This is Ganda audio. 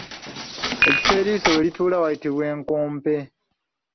Ekifo eriiso we lituula wayitibwa nkompe.